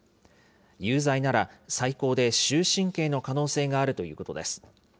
有罪なら、最高で終身刑の可能性があるということです。